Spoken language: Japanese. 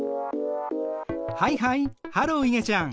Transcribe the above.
はいはいハローいげちゃん。